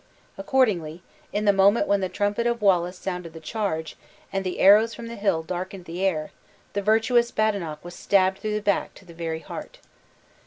Accordingly, in the moment when the trumpet of Wallace sounded the charge, and the arrows from the hill darkened the air, the virtuous Badenoch was stabbed through the back to the very heart.